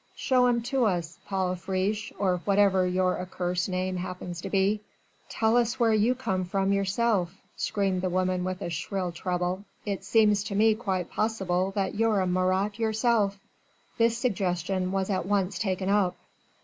"Show 'em to us, Paul Friche, or whatever your accursed name happens to be." "Tell us where you come from yourself," screamed the woman with the shrill treble, "it seems to me quite possible that you're a Marat yourself." This suggestion was at once taken up.